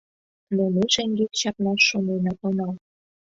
Но ме шеҥгек чакнаш шоненат онал.